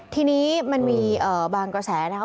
ทีนี้มันมีบางกระแสนะคะ